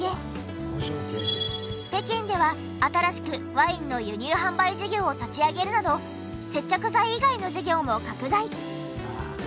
北京では新しくワインの輸入販売事業を立ち上げるなど接着剤以外の事業も拡大。